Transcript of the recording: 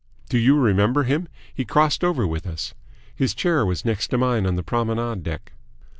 Do you remember him? He crossed over with us. His chair was next to mine on the promenade deck."